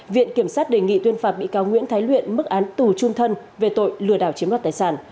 viện kiểm sát đề nghị tuyên phạt bị cáo nguyễn thái luyện mức án tù trung thân về tội lừa đảo chiếm đoạt tài sản